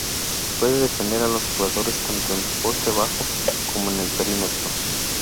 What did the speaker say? Puede defender a los jugadores tanto en el poste bajo como en el perímetro.